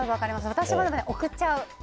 私は送っちゃう。